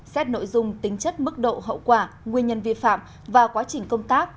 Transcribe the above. xét nội dung tính chất mức độ hậu quả nguyên nhân vi phạm và quá trình công tác